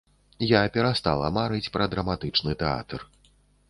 Я перастала марыць пра драматычны тэатр.